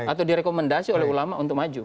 atau direkomendasi oleh ulama untuk maju